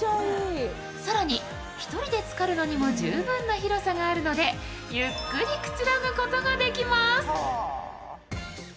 更に、１人でつかるのにも十分な広さがあるので、ゆっくりくつろぐことができます。